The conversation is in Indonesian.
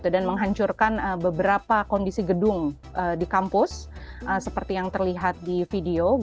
dan menghancurkan beberapa kondisi gedung di kampus seperti yang terlihat di video